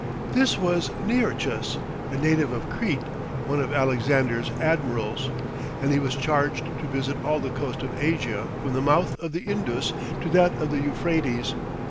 This was Nearchus, a native of Crete, one of Alexander's admirals, and he was charged to visit all the coast of Asia from the mouth of the Indus to that of the Euphrates.